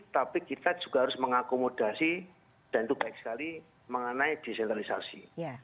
tapi kita juga harus mengakomodasi dan itu baik sekali mengenai desentralisasi